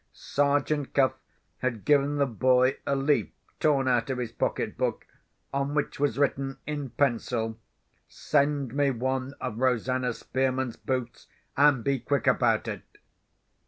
Sergeant Cuff had given the boy a leaf torn out of his pocket book, on which was written in pencil, "Send me one of Rosanna Spearman's boots, and be quick about it."